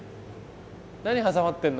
何挟まってるの？